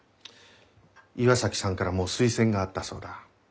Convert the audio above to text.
岩崎さんからも推薦があったそうだ。